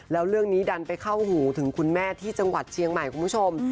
แล้วเรื่องนี้ดันไปเข้าหูถึงคุณแม่ที่จังหวัดเชียงใหม่คุณผู้ชม